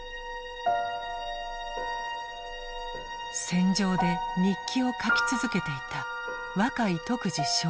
戦場で日記を書き続けていた若井徳次少尉。